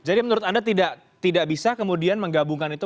jadi menurut anda tidak bisa kemudian menggabungkan itu